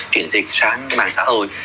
chuyển dịch sang mạng xã hội